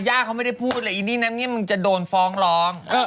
ยาเขาไม่ได้พูดอินินัทเนี้ยมันจะโดนฟองร้อง